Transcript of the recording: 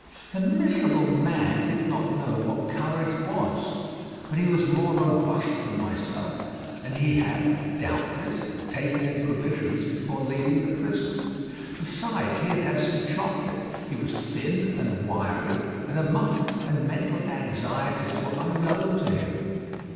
The miserable man did not know what courage was, but he was more robust than myself, and he had, doubtless, taken in provisions before leaving the prison. Besides he had had some chocolate; he was thin and wiry, and a monk, and mental anxieties were unknown to him.